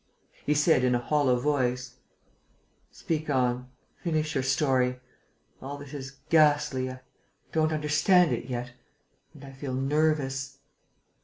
He said, in a hollow voice: "Speak on ... finish your story.... All this is ghastly.... I don't understand it yet ... and I feel nervous...."